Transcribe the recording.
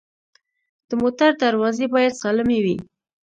د موټر دروازې باید سالمې وي.